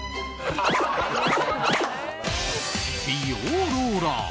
美容ローラー。